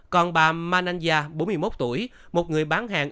còn bà mananza bốn mươi một tuổi một người bán hàng